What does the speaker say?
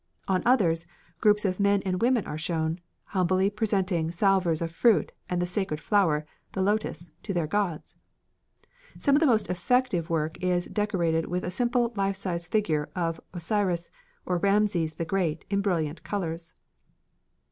On others, groups of men and women are shown, humbly presenting salvers of fruit and the sacred flower the lotus to their gods. Some of the most effective work is decorated with a simple life size figure of Osiris or Rameses the Great in brilliant colours.